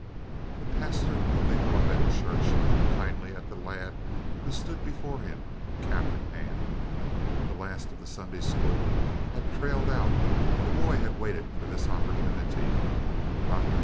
The pastor of Olivet Church looked kindly at the lad who stood before him, cap in hand. The last of the Sunday school had trailed out; the boy had waited for this opportunity. Dr.